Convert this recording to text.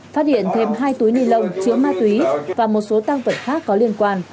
phát hiện thêm hai túi ni lông chứa ma túy và một số tăng vật khác có liên quan